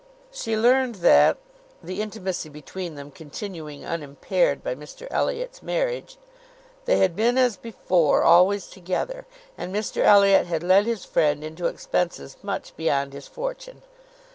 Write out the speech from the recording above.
She learned that (the intimacy between them continuing unimpaired by Mr Elliot's marriage) they had been as before always together, and Mr Elliot had led his friend into expenses much beyond his fortune.